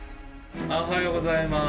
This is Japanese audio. おはようございます。